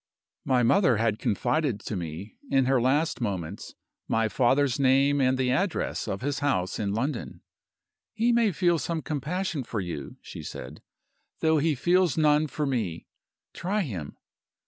"My mother had confided to me, in her last moments, my father's name and the address of his house in London. 'He may feel some compassion for you' (she said), 'though he feels none for me: try him.